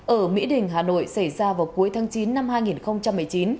ở mỹ đình hà nội xảy ra vào cuối tháng chín năm hai nghìn một mươi chín